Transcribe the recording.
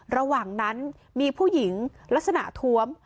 ระหว่างนั้นมีผู้หญิงลักษณะท้วม